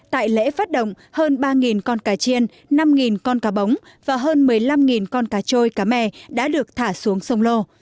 tại lễ phát động hơn ba con cá chiên năm con cá bống và hơn một mươi năm con cá trôi cá mè đã được thả xuống sông lô